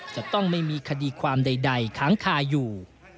จะต้องไม่มีคดีความใดค้างคาอยู่